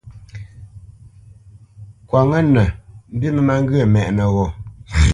Kwǎnŋə́nə mbî mə má ŋgyə̂ mɛ́ʼnə́ ghô.